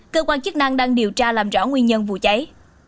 cơ quan chức năng đang điều tra làm rõ nguyên nhân vụ cháy